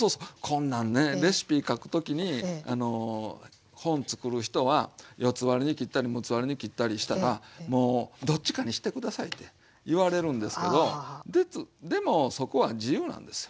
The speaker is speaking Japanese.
こんなんねレシピ書く時に本作る人は４つ割りに切ったり６つ割りに切ったりしたらもうどっちかにして下さいって言われるんですけどでもそこは自由なんですよ。